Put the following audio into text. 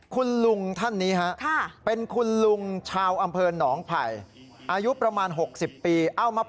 คุณลุงท่านนี้ฮะเป็นคุณลุงชาวอำเภอหนองไผ่อายุประมาณ๖๐ปี